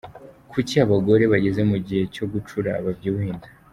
Kuki abagore bageze mu gihe cyo gucura babyibuha inda?